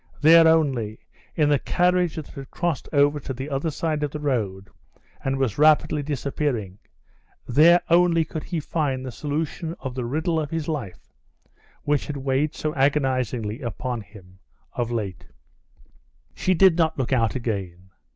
There only, in the carriage that had crossed over to the other side of the road, and was rapidly disappearing, there only could he find the solution of the riddle of his life, which had weighed so agonizingly upon him of late. She did not look out again.